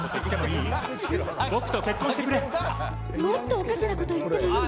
おかしなこと言ってもいい？